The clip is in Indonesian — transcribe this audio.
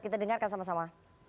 kita dengarkan sama sama